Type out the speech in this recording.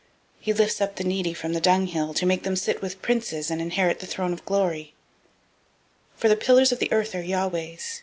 He lifts up the needy from the dunghill, To make them sit with princes, and inherit the throne of glory, for the pillars of the earth are Yahweh's.